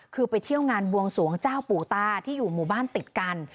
คือไปเที่ยวงานบวงสวงเจ้าปู่ตาที่อยู่หมู่บ้านติดกัน